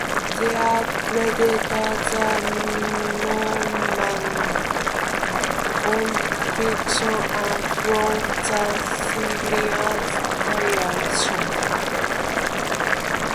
They predate the Norman conquest and follow the Syrian tradition.